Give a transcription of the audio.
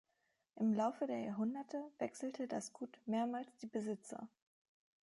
Im Laufe der Jahrhunderte wechselte das Gut mehrmals die Besitzer.